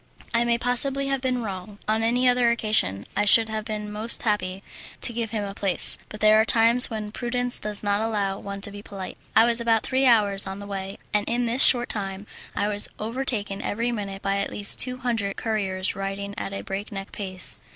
I may possibly have been wrong. On any other occasion I should have been most happy to give him a place, but there are times when prudence does not allow one to be polite. I was about three hours on the way, and in this short time I was overtaken every minute by at least two hundred couriers riding at a breakneck pace.